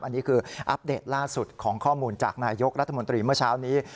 อันนี้คืออัปเดตล่าสุดของข้อมูลจากนายกรัฐมนตรีเมื่อเช้านี้